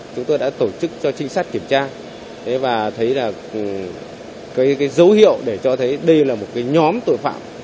chúng tôi đã tổ chức cho trinh sát kiểm tra và thấy là dấu hiệu để cho thấy đây là một nhóm tội phạm